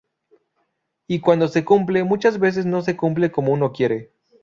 Y cuando se cumple, muchas veces no se cumple como uno quiere.